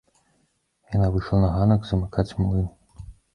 Яна выйшла на ганак замыкаць млын.